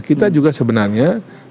kita juga sebenarnya